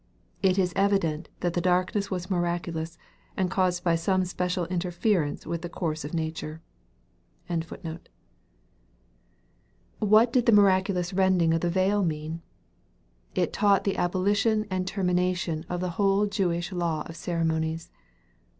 It is evident that the darkness was miraculous, and caused by some special interference with the oou> se of nature, 346 EXPOSITORY THOUGHTS. What did the miraculous rending of the veil mean ? It taught the abolition and termination of the whole Jewish law of ceremonies.